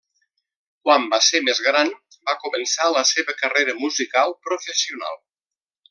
Quan va ser més gran va començar la seva carrera musical professional.